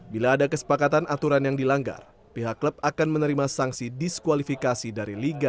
bila ada kesepakatan aturan yang dilanggar pihak klub akan menerima sanksi diskualifikasi dari liga satu